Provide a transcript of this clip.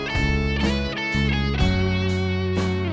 การรวม